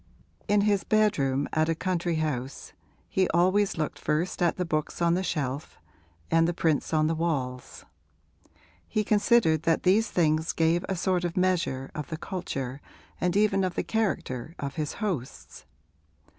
In his bedroom at a country house he always looked first at the books on the shelf and the prints on the walls; he considered that these things gave a sort of measure of the culture and even of the character of his hosts.